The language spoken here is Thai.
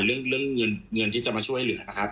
เรื่องเงินที่จะมาช่วยเหลือครับ